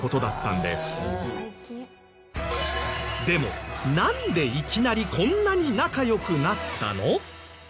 でもなんでいきなりこんなに仲良くなったの？